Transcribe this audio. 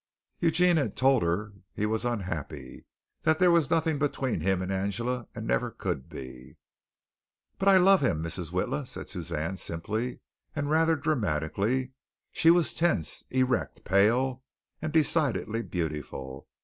Eugene told her that he was unhappy, that there was nothing between him and Angela and never could be. "But I love him, Mrs. Witla," said Suzanne simply and rather dramatically. She was tense, erect, pale and decidedly beautiful.